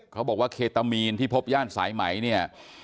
เขาบอกว่าเคตามีนที่พบย่านสายไหมเนี่ย